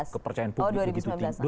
kepercayaan publik begitu tinggi